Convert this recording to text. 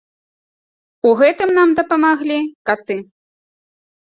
У гэтым нам дапамагалі каты!